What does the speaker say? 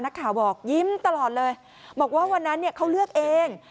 นักข่าวบอกยิ้มตลอดเลยบอกว่าวันนั้นเขาเลือกเอง